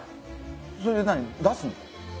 それで何出すの？